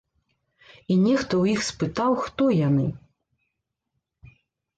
І нехта ў іх спытаў, хто яны.